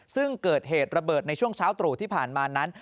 ซึ่งเกิดเหตุระเบิดในช่วงเช้าตรู่ที่ผ่านมานั้น